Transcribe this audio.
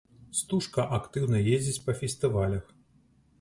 Стужка актыўна ездзіць па фестывалях.